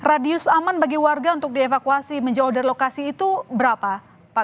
oke radius aman bagi warga untuk dievakuasi menjauh dari lokasi kebakaran